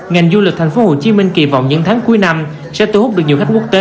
ngành du lịch tp hcm kỳ vọng những tháng cuối năm sẽ thu hút được nhiều khách quốc tế